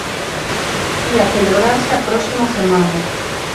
Ía celebrarse a próxima semana.